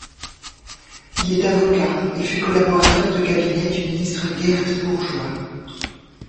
Il est avocat et fut collaborateur de cabinet du ministre Geert Bourgeois.